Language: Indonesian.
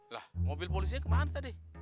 lah mobil polisnya kemana tadi